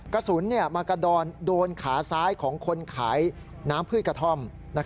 กระสุนมากระดอนโดนขาซ้ายของคนขายน้ำพืชกระท่อม